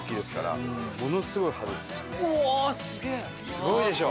すごいでしょ？